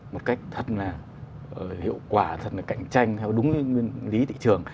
một cách thật là hiệu quả thật là cạnh tranh theo đúng nguyên lý thị trường